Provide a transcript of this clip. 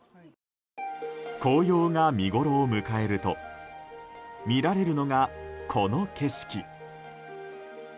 紅葉が見ごろを迎えると見られるのが、この景色。